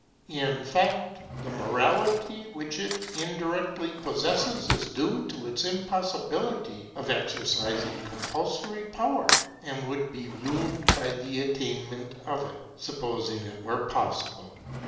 In fact, the morality which it indirectly possesses is due to this impossibility of exercising compulsory power, and would be ruined by the attainment of it, supposing it were possible.